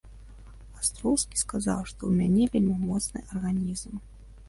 Астроўскі сказаў, што ў мяне вельмі моцны арганізм.